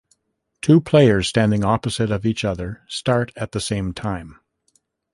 Two players standing opposite of each other, start at the same time.